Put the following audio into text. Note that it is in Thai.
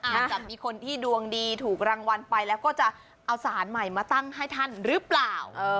อาจจะมีคนที่ดวงดีถูกรางวัลไปแล้วก็จะเอาสารใหม่มาตั้งให้ท่านหรือเปล่า